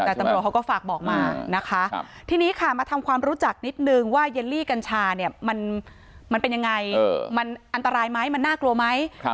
แต่ตำรวจเขาก็ฝากบอกมานะคะทีนี้ค่ะมาทำความรู้จักนิดนึงว่าเยลลี่กัญชาเนี่ยมันเป็นยังไงมันอันตรายไหมมันน่ากลัวไหม